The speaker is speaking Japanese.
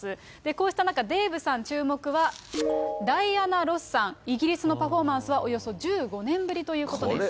こうした中、デーブさん注目は、ダイアナ・ロスさん、イギリスのパフォーマンスはおよそ１５年ぶりということです。